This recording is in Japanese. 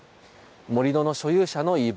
盛り土の所有者の言い分。